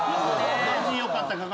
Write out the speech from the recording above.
よかった